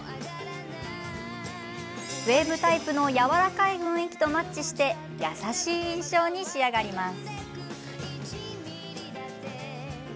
ウエーブタイプのやわらかい雰囲気とマッチして優しい印象に仕上がります。